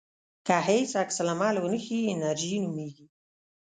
که هیڅ عکس العمل ونه ښیې انېرژي نومېږي.